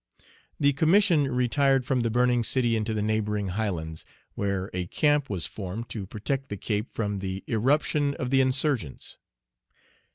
The Commission retired from the burning city into the neighboring highlands, where a camp was formed to protect the Cape from the irruption of the insurgents.